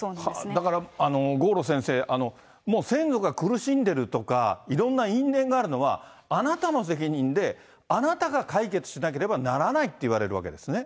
だから、郷路先生、もう先祖が苦しんでるとか、いろんな因縁があるのは、あなたの責任で、あなたが解決しなければならないっていわれるですね。